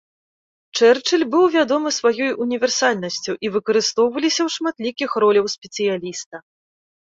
Чэрчыль быў вядомы сваёй універсальнасцю і выкарыстоўваліся ў шматлікіх роляў спецыяліста.